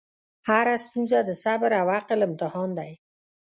هره ستونزه د صبر او عقل امتحان دی.